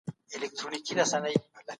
غفور